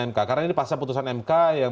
mk karena ini pasal putusan mk yang